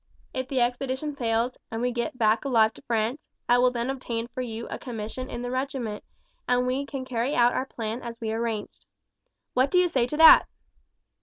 If the expedition fails, and we get back alive to France, I will then obtain for you a commission in the regiment, and we can carry out our plan as we arranged. What do you say to that?"